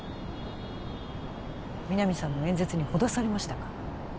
皆実さんの演説にほだされましたか？